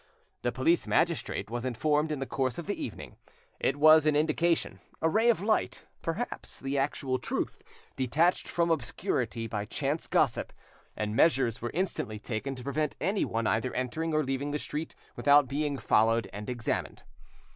The police magistrate was informed in the course of the evening. It was an indication, a ray of light, perhaps the actual truth, detached from obscurity by chance gossip; and measures were instantly taken to prevent anyone either entering or leaving the street without being followed and examined.